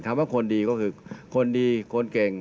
ว่าคนดีก็คือคนดีคนเก่ง